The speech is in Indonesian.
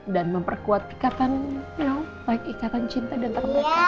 dan memperkuat ikatan you know ikatan cinta dan terhormat